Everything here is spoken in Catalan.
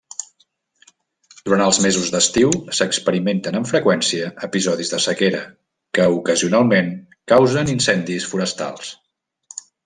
Durant els mesos d'estiu s'experimenten amb freqüència episodis de sequera, que ocasionalment causen incendis forestals.